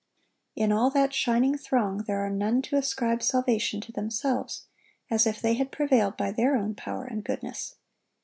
In all that shining throng there are none to ascribe salvation to themselves, as if they had prevailed by their own power and goodness.